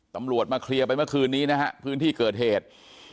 ตำรวจมาเคลียร์ไปเมื่อคืนนี้นะฮะพื้นที่เกิดเหตุ